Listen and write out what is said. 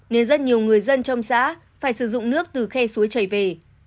nên rất nhiều người dân trong xã phải sử dụng nước từ khe suối chảy về